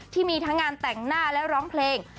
ที่มีทั้งงานแต่งหน้าและร้องเพลง